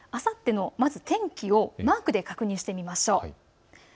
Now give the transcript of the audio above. あさっての天気をマークで確認してみましょう。